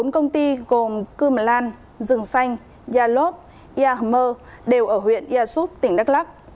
bốn công ty gồm cưm lan rừng xanh gia lốt gia mơ đều ở huyện gia súp tỉnh đắk lắc